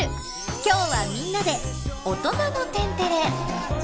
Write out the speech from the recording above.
今日はみんなで「オトナの天てれ」。